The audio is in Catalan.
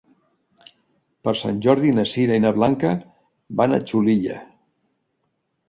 Per Sant Jordi na Sira i na Blanca van a Xulilla.